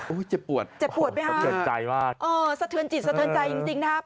อุ๊ยเจ็บปวดสะเทือนใจมากอ๋อสะเทือนจิตสะเทือนใจจริงนะครับ